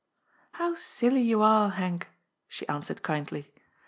" How silly you are, Henk," she answered kindly.